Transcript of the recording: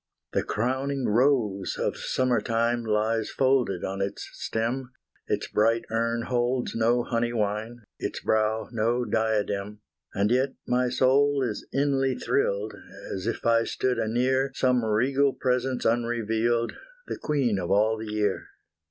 The crowning rose of summer time Lies folded on its stem, Its bright urn holds no honey wine, Its brow no diadem, And yet my soul is inly thrilled, As if I stood anear Some legal presence unrevealed, The queen of all the year.